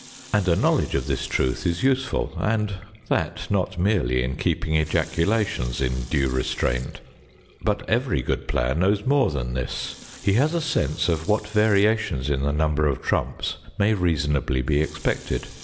And a knowledge of this truth is useful, and that not merely in keeping ejaculations in due restraint. But every good player knows more than this: he has a sense of what variations in the number of trumps may reasonably be expected.